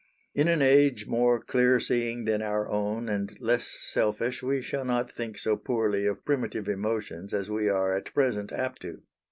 In an age more clear seeing than our own and less selfish we shall not think so poorly of primitive emotions as we are at present apt to.